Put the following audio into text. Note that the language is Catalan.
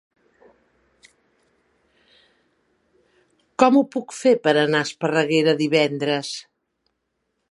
Com ho puc fer per anar a Esparreguera divendres?